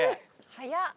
早っ。